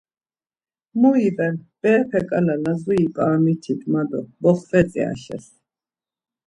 Mu iven, berepe ǩala Lazuri ip̌aramitit ma do, boxvetzi Ayşes.